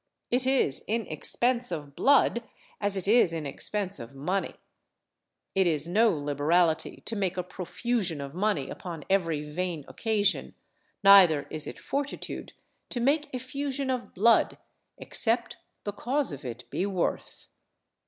It is in expense of blood as it is in expense of money. It is no liberality to make a profusion of money upon every vain occasion, neither is it fortitude to make effusion of blood, except the cause of it be worth."